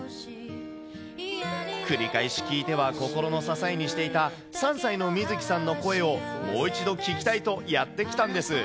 繰り返し聞いては心の支えにしていた３歳の美月さんの声をもう一度聞きたいとやって来たんです。